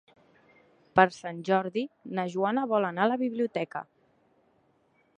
Per Sant Jordi na Joana vol anar a la biblioteca.